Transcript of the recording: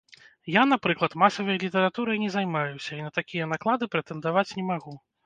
Я, напрыклад, масавай літаратурай не займаюся, і на такія наклады прэтэндаваць не магу.